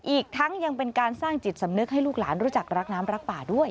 อีกทั้งยังเป็นการสร้างจิตสำนึกให้ลูกหลานรู้จักรักน้ำรักป่าด้วย